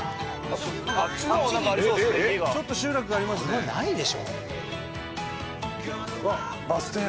「ここないでしょ」